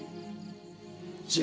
kamu harus dihajar